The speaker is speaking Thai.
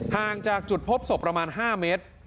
ห่างจากจุดพบศพประมาณ๕เมตร